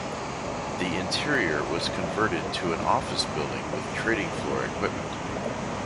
The interior was converted to an office building with trading floor equipment.